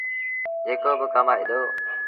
جيڪو با ڪمآئي دو۔